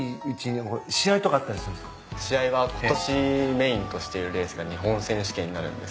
試合はことしメインとしてるレースが日本選手権になるんです。